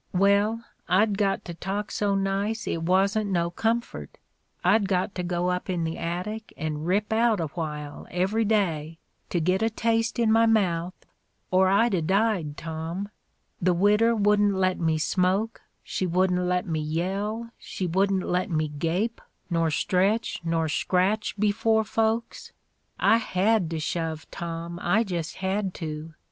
Well, I'd got to talk so nice it wasn't no comfort — I'd got to go up in the attic and rip out a while, every day, to git a taste in my mouth, or I'd a died, Tom. The widder wouldn't let me smoke; she wouldn't let me yell, she wouldn 't let me gape, nor stretch, nor scratch, before folks. ... I had to shove, Tom — I just had to.